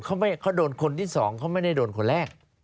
เขาโดนคนที่สองเขาไม่ได้โดนคนแรก